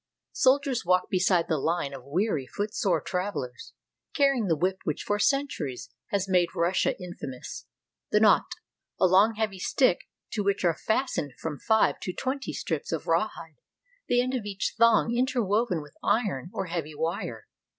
Soldiers walk beside the line of weary, footsore trav elers, carrying the whip which for centuries has made Russia infamous — the knout, a long heavy stick, to which are fastened from five to twenty strips of raw hide, the end of each thong interwoven with iron or heavy wire.